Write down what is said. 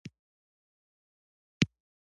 په همغه بدوي زمانو کې اوسېږي.